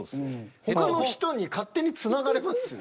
他の人に勝手につながれますよ。